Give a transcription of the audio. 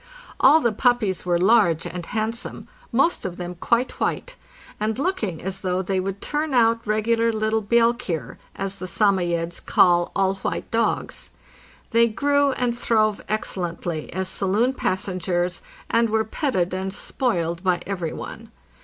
All the puppies were large and handsome, most of them quite white, and looking as though they would turn out regular little '* bjelkier," as the Samo yedes call all white dogs. They grew and throve excellently as saloon passengers, and were petted and spoiled by every one.